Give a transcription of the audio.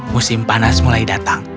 musim panas mulai datang